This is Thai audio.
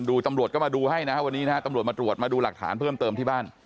ตำรวจก็มาดูให้นะฮะวันนี้นะฮะตำรวจมาตรวจมาดูหลักฐานเพิ่มเติมที่บ้าน